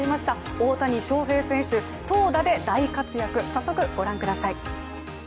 大谷翔平選手投打で大活躍、ご覧ください。